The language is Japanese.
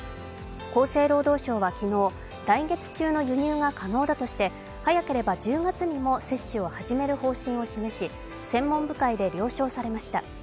厚生労働省は昨日、来月中の輸入が可能だとして早ければ１０月にも接種を始める方針を示し専門部会で了承されました。